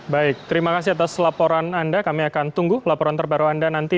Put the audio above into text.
baik terima kasih atas laporan anda kami akan tunggu laporan terbaru anda nanti